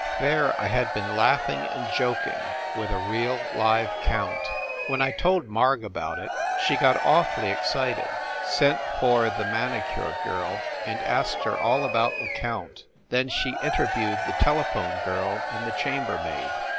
There I had been laughing and joking with a real, live count ! When I told Marg about it she got awfully ex cited sent for the manicure girl and asked her all about the count then she interviewed the telephone girl and the chambermaid.